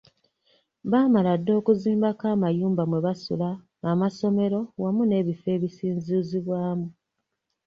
Baamala dda okuzimbako amayumba mwe basula, amasomero, wamu n’ebifo ebisinzizibwamu.